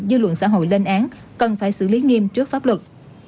dư luận xã hội lên án cần phải xử lý nghiêm trước pháp luật